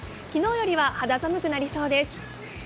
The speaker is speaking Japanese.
昨日よりは肌寒くなりそうです。